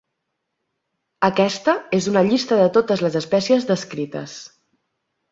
Aquesta és una llista de totes les espècies descrites.